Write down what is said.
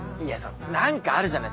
何かあるじゃない。